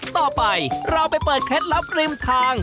ต่อไปเราไปเปิดเคล็ดลับริมทาง